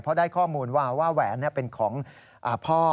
เพราะได้ข้อมูลว่าว่าแหวนเป็นของพ่อ